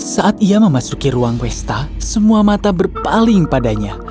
saat ia memasuki ruang westa semua mata berpaling padanya